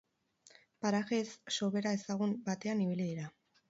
Paraje ez sobera ezagun batean ibili dira.